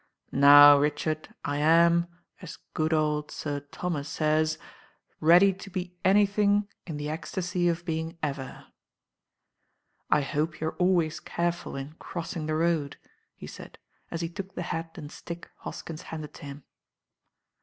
"Now, Richard, I am, as good old Sir Thomas says, 'ready to be anything in the ecstacy of being ever.' I hope you are always careful in crossing the road," he sa=d, as he took the hat and stick Hos klns handed to him.